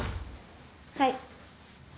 はい。